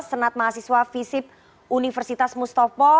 senat mahasiswa visip universitas mustafa